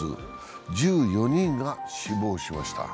１４人が死亡しました。